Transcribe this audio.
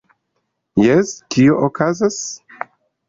Jes, kio okazas?